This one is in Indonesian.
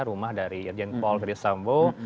rumah dari irjen paul dari sambu